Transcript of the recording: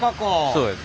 そうです